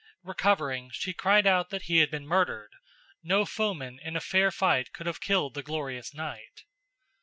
Recovering, she cried out that he had been murdered: no foeman in a fair fight could have killed the glorious knight.